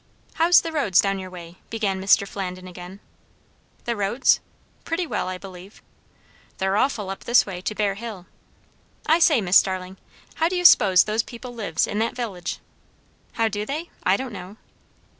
"How's the roads down your way?" began Mr. Flandin again. "The roads? pretty well, I believe." "They're awful, up this way, to Bear Hill. I say, Miss Starling, how do you s'pose those people lives, in that village?" "How do they? I don't know."